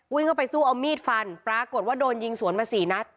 วิ่งเข้าไปสู้เอามีดฟันปรากฏว่าโดนยิงสวนมาสี่นัด